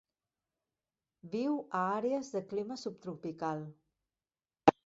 Viu a àrees de clima subtropical.